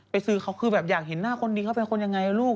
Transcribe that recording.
ซื้อเขาคือแบบอยากเห็นหน้าคนดีเขาเป็นคนยังไงลูก